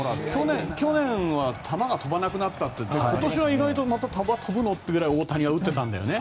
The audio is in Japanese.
去年は球が飛ばなくなったって今年は意外とまた球が飛ぶのってぐらい大谷が打ってたんだよね。